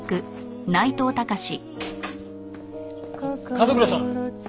角倉さん？